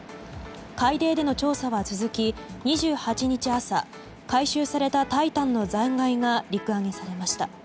海底での調査は続き２８日朝回収された「タイタン」の残骸が陸揚げされました。